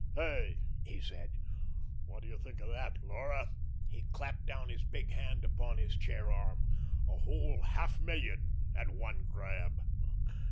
"Hey?" he said. "What do you think of that, Laura," he clapped down his big hand upon his chair arm, "a whole half million at one grab?